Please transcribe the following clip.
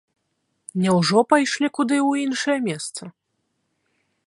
Няўжо пайшлі куды ў іншае месца?